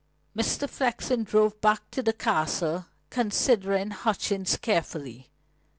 Mr. Flexen drove back to the Castle, considering Hutchings carefully.